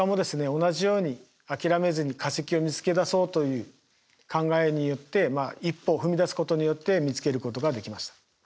同じように諦めずに化石を見つけ出そうという考えによって一歩踏み出すことによって見つけることができました。